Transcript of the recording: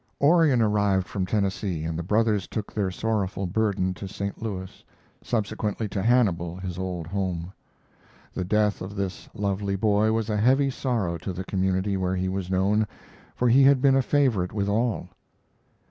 Orion arrived from Tennessee, and the brothers took their sorrowful burden to St. Louis, subsequently to Hannibal, his old home. The death of this lovely boy was a heavy sorrow to the community where he was known, for he had been a favorite with all.